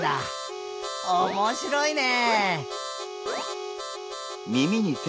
おもしろいね！